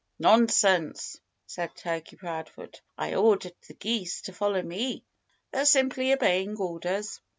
"Nonsense!" said Turkey Proudfoot. "I ordered the geese to follow me. They're simply obeying orders."